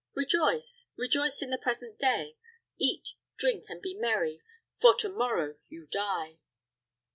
Rejoice! rejoice in the present day! Eat, drink, and be merry, for to morrow you die."